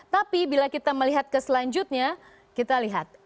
tapi bila kita melihat ke selanjutnya kita lihat